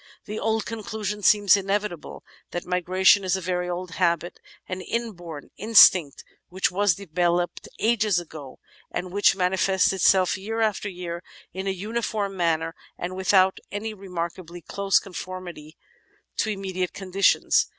The conclusion seems inevitable that migration is a very old habit, an inborn instinct which was developed ages ago, and which manifests itself year after year in a uniform manner and without any remarkably close conformity to inunediate conditions.